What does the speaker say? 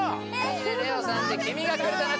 家入レオさんで「君がくれた夏」